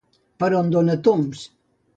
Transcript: Per on dona tombs?